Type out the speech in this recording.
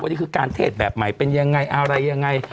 นี่คือการเทศแบบใหม่เป็นยังไงอะไรยังไง